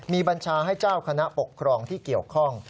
มีบัญชาให้เจ้าคณะปกครองที่เกี่ยวข้อง